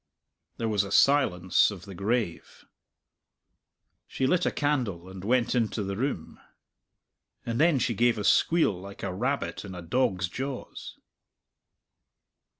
There was a silence of the grave. She lit a candle, and went into the room. And then she gave a squeal like a rabbit in a dog's jaws.